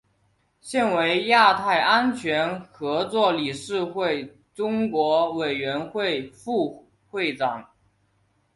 现为亚太安全合作理事会中国委员会副会长。